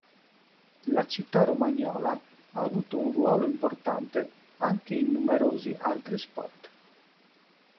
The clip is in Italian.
La città romagnola ha avuto un ruolo importante anche in numerosi altri sport.